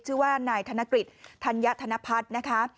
ชื่อว่านายธนกฤษธัญภัทนะคะ